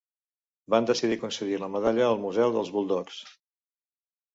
Van decidir concedir la medalla al museu dels Bulldogs.